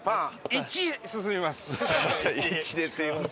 「１」ですみません。